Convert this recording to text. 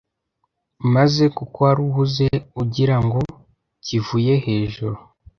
maze kuko wari uhuze ugira ngo kivuye hejuru